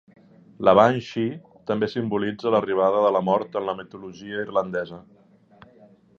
La banshee també simbolitza l'arribada de la mort en la mitologia irlandesa.